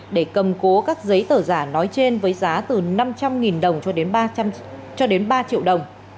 để cầm cố các giấy tờ giả nói trên với giá từ năm trăm linh đồng cho đến ba triệu đồng